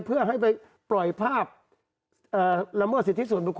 เพื่อให้ไปปล่อยภาพละเมิดสิทธิส่วนบุคค